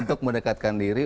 untuk mendekatkan diri